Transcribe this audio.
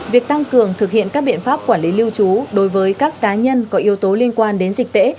việc tăng cường thực hiện các biện pháp quản lý lưu trú đối với các cá nhân có yếu tố liên quan đến dịch tễ